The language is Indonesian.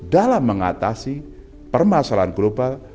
dalam mengatasi permasalahan global